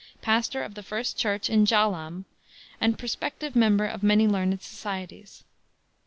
pastor of the First Church in Jaalam, and (prospective) member of many learned societies.